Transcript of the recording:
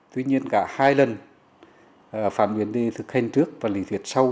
tuy nhiên cả hai lần phản biến đi thực hành trước và lý thuyệt sau